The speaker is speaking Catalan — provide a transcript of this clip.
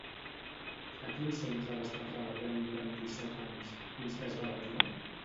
A quin centre va estar treballant durant disset anys fins que es va retirar?